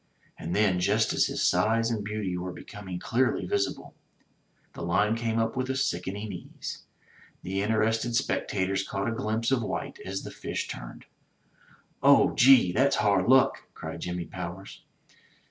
And then just as his size and beauty were becoming clearly visible, the line came up with a sickening ease. The interested spectators caught a glimpse of white as the fish turned. *'0h, gee, that's hard luck!" cried Jimmy Powers.